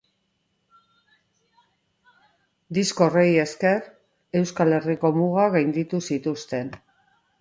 Disko horri esker, Euskal Herriko mugak gainditu zituzten.